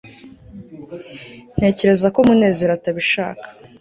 ntekereza ko munezero atabishaka